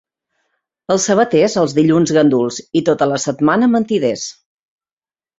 Els sabaters, els dilluns ganduls i tota la setmana mentiders.